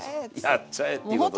やっちゃえっていうことで。